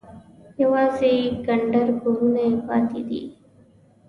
یوازې کنډر کورونه یې پاتې دي.